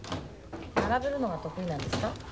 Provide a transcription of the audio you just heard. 並べるのが得意なんですか？